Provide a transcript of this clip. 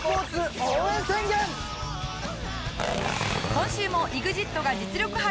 今週もＥＸＩＴが実力派